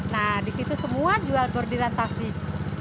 nah di situ semua jual gordiran tasik